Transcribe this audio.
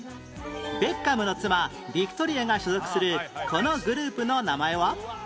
ベッカムの妻ビクトリアが所属するこのグループの名前は？